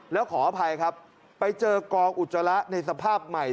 แล้วขออภัยครับไปเจอกองอุจจาระในสภาพใหม่